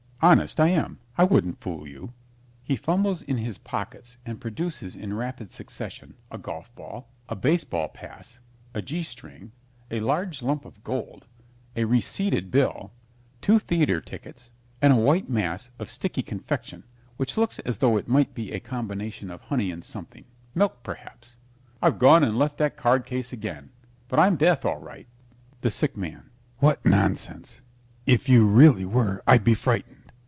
Honest, I am. I wouldn't fool you. (_He fumbles in his pockets and produces in rapid succession a golf ball, a baseball pass, a G string, a large lump of gold, a receipted bill, two theater tickets and a white mass of sticky confection which looks as though it might be a combination of honey and something milk, perhaps_) I've gone and left that card case again, but I'm Death, all right. THE SICK MAN What nonsense! If you really were I'd be frightened.